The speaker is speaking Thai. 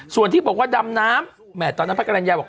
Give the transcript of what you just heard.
ส่วนที่บอกว่าดำน้ำแหมตอนนั้นพระกรรณญาบอก